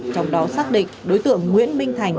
trong đó xác định đối tượng nguyễn minh thành